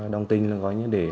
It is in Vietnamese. đồng tin là gọi như để